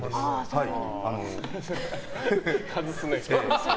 外すね。